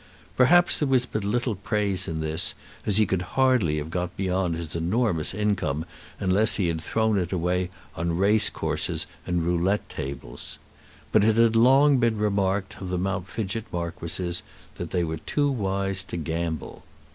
Perhaps there was but little praise in this, as he could hardly have got beyond his enormous income unless he had thrown it away on race courses and roulette tables. But it had long been remarked of the Mount Fidgett marquises that they were too wise to gamble.